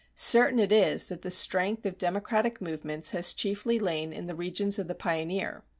Certain it is that the strength of democratic movements has chiefly lain in the regions of the pioneer.